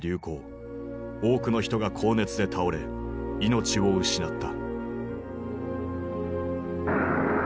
多くの人が高熱で倒れ命を失った。